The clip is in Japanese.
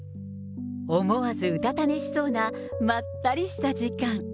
思わずうたた寝しそうな、まったりした時間。